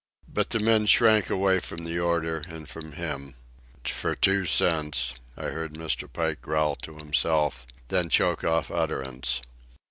But the men shrank away from the order and from him. "For two cents ..." I heard Mr. Pike growl to himself, then choke off utterance.